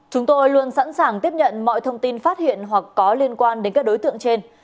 chúng tôi luôn sẵn sàng tiếp nhận mọi thông tin phát hiện hoặc có liên quan đến các đối tượng trên